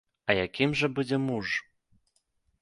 А якім жа будзе муж?